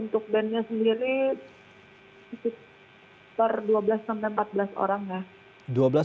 untuk bandnya sendiri